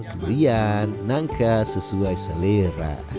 kemudian nangka sesuai selera